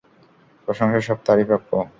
প্রশংসা সব তারই প্রাপ্য।